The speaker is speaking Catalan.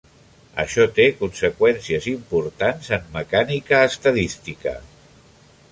Això té conseqüències importants en mecànica estadística.